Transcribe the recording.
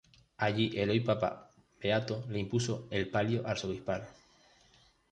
Allí el hoy papa beato le impuso el palio arzobispal.